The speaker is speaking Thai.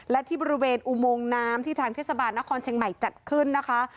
และที่บริเวณอุโมงน้ำที่ทางเทศบาลนครเชียงใหม่จัดขึ้นนะคะ